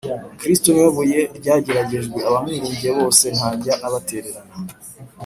kristo ni we buye ryageragejwe abamwiringira bose ntajya abatererana